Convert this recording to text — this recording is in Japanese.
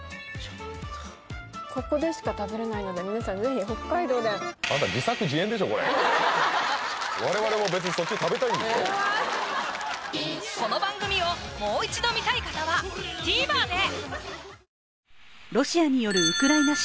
ここでしか食べれないので皆さん是非北海道でこの番組をもう一度観たい方はＴＶｅｒで！